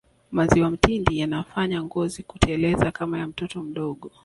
maziwa mtindi yanafanya ngozi kuteleza kama ya mtoto mdogo